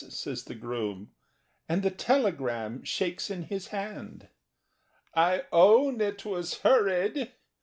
says the groom, And the telegram shakes in his hand. "I own It was hurried!